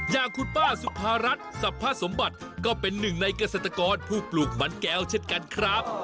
อย่างคุณป้าสุภารัฐสรรพสมบัติก็เป็นหนึ่งในเกษตรกรผู้ปลูกมันแก้วเช่นกันครับ